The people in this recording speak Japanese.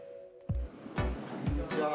こんにちは。